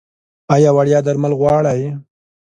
ایا وړیا درمل غواړئ؟